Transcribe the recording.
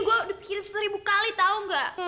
gue udah pikirin seribu kali tau nggak